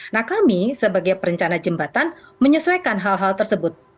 nah kami sebagai perencana jembatan menyesuaikan hal hal tersebut